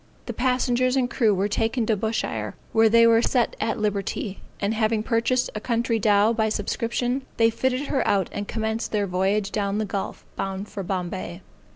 The passengers and crew were taken to Bushire where they were set at liberty, and having purchased a country dow by subscription, they fitted her out and commenced their voyage down the gulf, bound for Bombay.